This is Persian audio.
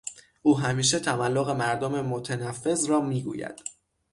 او همیشه تملق مردم متنفذ را میگوید.